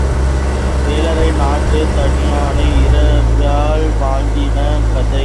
ஏழரை நாட்டுச் சனியனை இரவல் வாங்கின கதை.